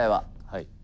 はい。